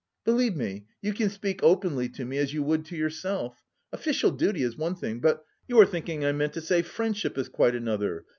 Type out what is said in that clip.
"Believe me, you can speak openly to me as you would to yourself! Official duty is one thing but... you are thinking I meant to say friendship is quite another?